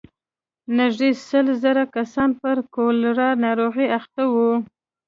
نږدې سل زره کسان پر کولرا ناروغۍ اخته وو.